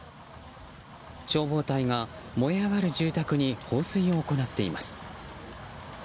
消防隊が燃え上がる住宅に放水を行っています。